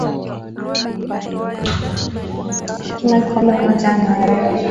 Pima kikombe moja cha maharage